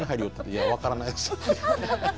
いや分からないです。